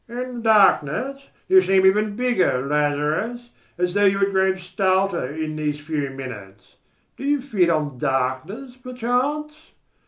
"In the darkness you seem even bigger, Lazarus, as though you had grown stouter in these few minutes. Do you feed on darkness, perchance?...